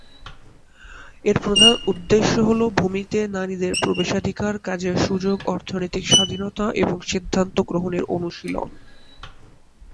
এর প্রধান উদ্দেশ্য হল ভূমিতে নারীদের প্রবেশাধিকার, কাজের সুযোগ, অর্থনৈতিক স্বাধীনতা এবং সিদ্ধান্ত গ্রহণের অনুশীলন।